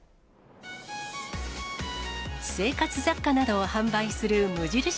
生活雑貨などを販売する無印